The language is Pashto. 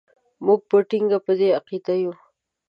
موږ په ټینګه په دې عقیده یو.